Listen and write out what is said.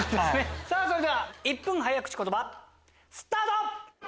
それでは１分早口言葉スタート！